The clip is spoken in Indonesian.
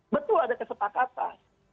betul ada kesepakatan